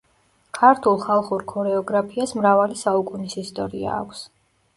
ქართულ ხალხურ ქორეოგრაფიას მრავალი საუკუნის ისტორია აქვს.